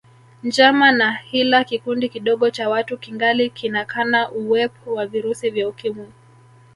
Njama na hila kikundi kidogo cha watu kingali kinakana uwep wa virusi vya Ukimwi